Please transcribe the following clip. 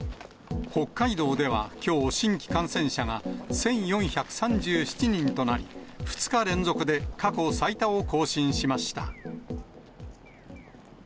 北海道ではきょう、新規感染者が１４３７人となり、２日連続で過去最多を更新しました。